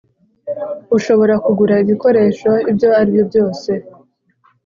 Ushobora kugura ibikoresho ibyo aribyo byose